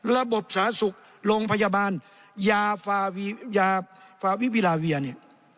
ระบบสาธารณสุขโรงพยาบาลยาฟาวิวิลาเวียเนี่ย